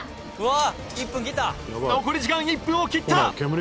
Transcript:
残り時間１分を切った！